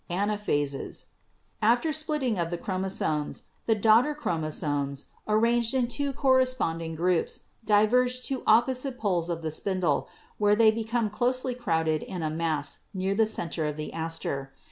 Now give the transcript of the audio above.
Anaphases. — After splitting of the chromosomes, the daughter chromosomes, arranged in two corresponding groups, diverge to opposite poles of the spindle, where they become closely crowded in a mass near the center of the aster.